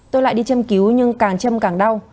tôi lại đi châm cứu nhưng càng châm càng đau